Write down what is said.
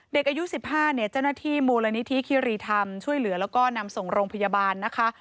เด็กอายุ๑๕เนี่ยเจ้าหน้าที่มูลนิธิคิรีธรรมช่วยเหลือแล้วก็นำส่งโรงพยาบาลนะคะ